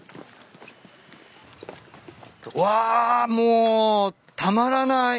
うわもうたまらない。